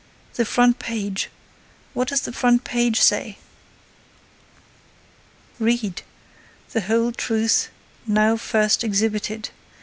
"The front page—what does the front page say?" "Read: _The Whole Truth now first exhibited.